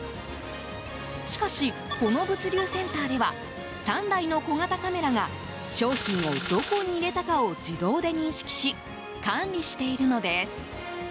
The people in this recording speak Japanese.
しかし、この物流センターでは３台の小型カメラが商品をどこに入れたかを自動で認識し管理しているのです。